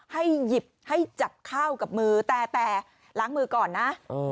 ให้หยิบให้จับข้าวกับมือแต่ล้างมือก่อนนะ